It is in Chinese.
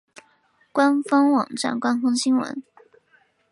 官方网站官方新闻